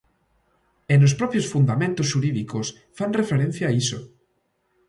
E nos propios fundamentos xurídicos fan referencia a iso.